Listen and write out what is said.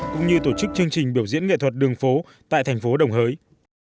cũng như tổ chức chương trình biểu diễn nghệ thuật đường phố tại thành phố đồng hới